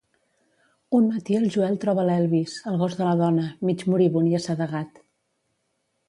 Un matí el Joel troba l'Elvis, el gos de la dona, mig moribund i assedegat.